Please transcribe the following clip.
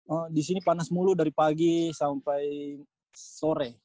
oh disini panas mulu dari pagi sampai sore